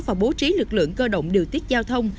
và bố trí lực lượng cơ động điều tiết giao thông